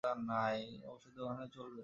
অসুবিধা হবে না, চলবে।